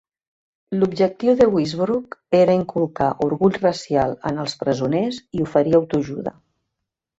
L'objectiu de Westbrook era inculcar orgull racial en els presoners i oferir autoajuda.